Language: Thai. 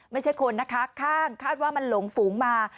ไม่ใช่คนนะคะข้างคาดว่ามันหลงฝูงมา